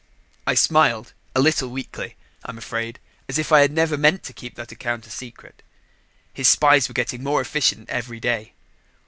I smiled, a little weakly, I'm afraid, as if I had never meant to keep that account a secret. His spies were getting more efficient every day.